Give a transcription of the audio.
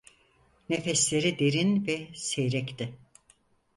Nefesleri derin ve seyrekti.